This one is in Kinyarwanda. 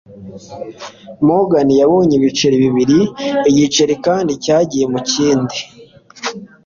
Morgan yabonye ibiceri bibiri - igiceri, kandi cyagiye mu kindi